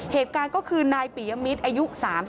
เหตุการณ์ก็คือนายปียมิตรอายุ๓๒